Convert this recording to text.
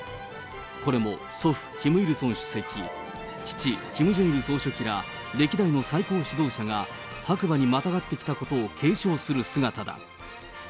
これも祖父、キム・イルソン主席、父、キム・ジョンイル総書記ら、歴代の最高指導者が白馬にまたがってきたことを継承する姿だ。